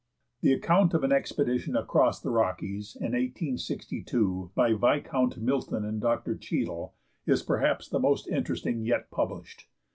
The account of an expedition across the Rockies in 1862, by Viscount Milton and Dr. Cheadle, is perhaps the most interesting yet published.